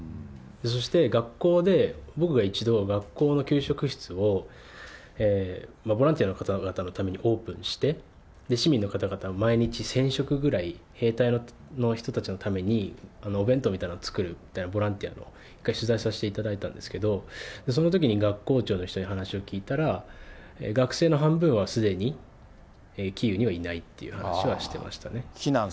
そして、学校で、僕が一度、学校の給食室をボランティアの方々のためにオープンにして、市民の方々、毎日１０００食ぐらい兵隊の人たちのためにお弁当みたいなのを作るっていうのをボランティアで、一回取材させていただいたんですけれども、そのときに学校長の人に話を聞いたら、学生の半分はすでにキーウにはいないっていう話はしてましたね。